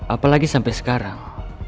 apalagi sampai sekarang